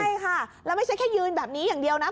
ใช่ค่ะแล้วไม่ใช่แค่ยืนแบบนี้อย่างเดียวนะ